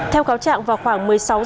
theo cáo trạng vào khoảng một mươi sáu h